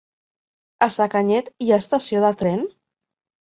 A Sacanyet hi ha estació de tren?